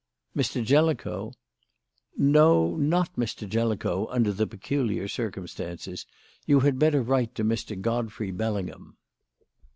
"Mr. Jellicoe?" "No, not Mr. Jellicoe, under the peculiar circumstances. You had better write to Mr. Godfrey Bellingham."